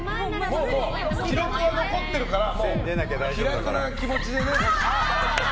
もう記録は残ってるから気楽な気持ちでね。